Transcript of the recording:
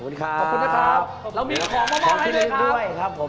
ขอบคุณครับขอบคุณนะครับเรามีของมามองให้ด้วยครับของที่ลึกด้วยครับผม